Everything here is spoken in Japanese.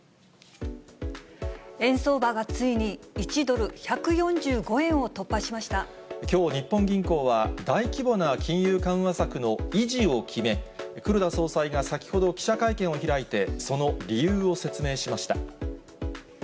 円相場がついに１ドル１４５きょう、日本銀行は大規模な金融緩和策の維持を決め、黒田総裁が先ほど記者会見を開いて、その理由を説明しました。